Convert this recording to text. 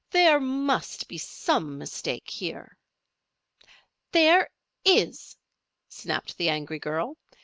"There must be some mistake here." "There is!" snapped the angry girl.